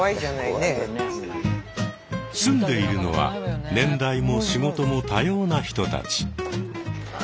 住んでいるのは年代も仕事も多様な人たち。